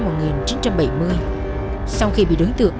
sau khi bị đối tượng gây chú ý với người đi đường